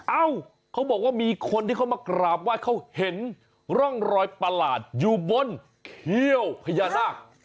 เอ้าเขาบอกว่ามีคนที่เขามากราบไหว้เขาเห็นร่องรอยประหลาดอยู่บนเขี้ยวพญานาค